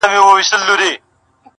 نه له واسکټه اندېښنه نه له بمونو وېره؛